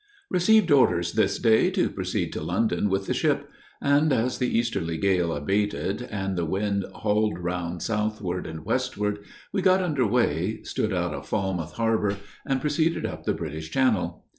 Received orders this day to proceed to London with the ship; and, as the easterly gale abated, and the wind hauled round southward and westward, we got under way, stood out of Falmouth harbor, and proceeded up the British Channel.